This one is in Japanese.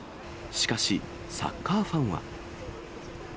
しかし、サッカーファンは。